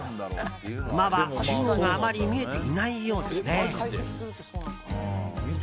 馬は、地面があまり見えていないようですね。